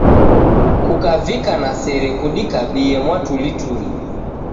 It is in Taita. Kukavika na sere kudikabie mwatulituli.